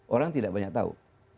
orang tidak banyak tahu